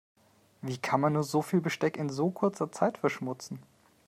Wie kann man nur so viel Besteck in so kurzer Zeit verschmutzen?